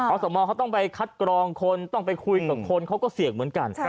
สมเขาต้องไปคัดกรองคนต้องไปคุยกับคนเขาก็เสี่ยงเหมือนกัน